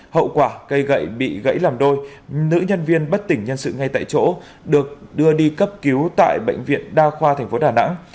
hậu quả cây gậy bị gãy làm đôi nữ nhân viên bất tỉnh nhân sự ngay tại chỗ được đưa đi cấp cứu tại bệnh viện đa khoa tp đà nẵng